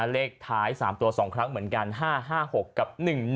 เลขท้าย๓ตัว๒ครั้งเหมือนกัน๕๕๖กับ๑๑